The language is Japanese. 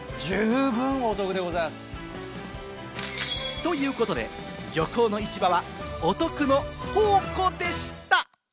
ということで、漁港の市場はお得の宝庫でした！